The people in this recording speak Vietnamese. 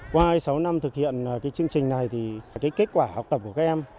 qua sáu năm thực hiện chương trình này kết quả học tập của các em